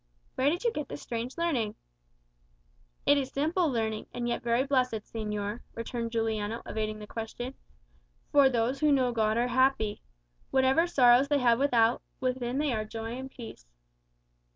"Where did you get this strange learning?" "It is simple learning; and yet very blessed, señor," returned Juliano, evading the question. "For those who know God are happy. Whatever sorrows they have without, within they have joy and peace."